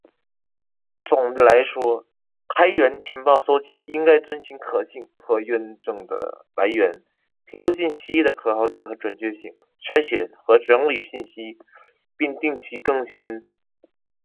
总的来说，开源情报搜集应该遵循可信、可验证的来源，评估信息的可靠性和准确性，筛选和整理信息，并定期更新。同时，需要保护信息来源的隐私和安全，并采用多种搜集方法来获取广泛的信息。这样才能有效地支持决策制定和情报分析。